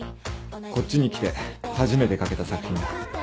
こっちに来て初めて書けた作品だ。